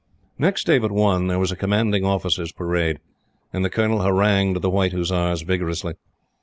Next day but one, there was a Commanding Officer's parade, and the Colonel harangued the White Hussars vigorously.